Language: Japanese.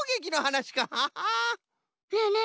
ねえねえ